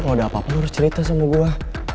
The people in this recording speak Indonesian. kalo ada apa apa lu harus cerita sama gue